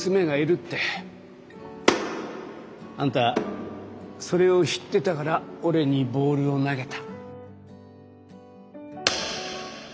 あんたそれを知ってたから俺にボールを投げた。